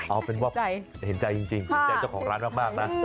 เอาเป็นว่าเห็นใจจริงเห็นใจเจ้าของร้านมากนะ